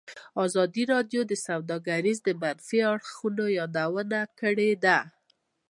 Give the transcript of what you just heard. ازادي راډیو د سوداګري د منفي اړخونو یادونه کړې.